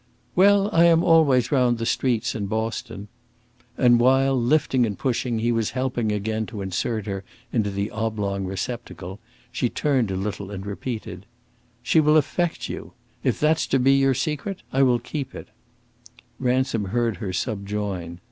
"Well, I am always round the streets, in Boston." And while, lifting and pushing, he was helping again to insert her into the oblong receptacle, she turned a little and repeated, "She will affect you! If that's to be your secret, I will keep it," Ransom heard her subjoin.